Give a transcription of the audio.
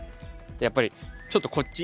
やっぱりちょっとこっち